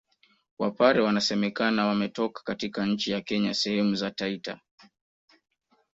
Wapare wanasemekana wametoka katika nchi ya Kenya sehemu za Taita